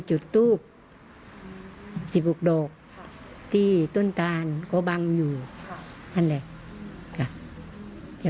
จุดแป๊บเดียวประมาณน้านาที